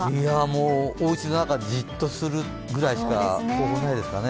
もう、おうちの中でじっとするぐらいしか方法ないですかね。